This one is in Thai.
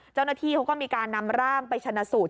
เจ้าหน้าที่เขาก็มีการนำร่างไปชนะสูตร